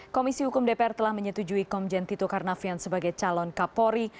komisi hukum dpr telah menyetujui komjen tito karnavian sebagai calon kapolri